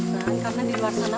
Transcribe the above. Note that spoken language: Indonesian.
kita ke hutan karena di luar sana